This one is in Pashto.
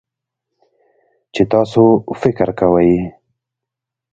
چې تاسو فکر کوئ